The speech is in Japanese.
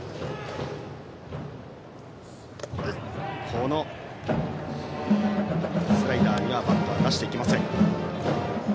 このスライダーにはバットは出していきません。